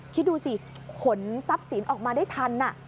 คิดดูสิขนทรัพย์สินออกมาได้ทัน